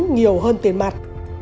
nhiều hơn tiền mặt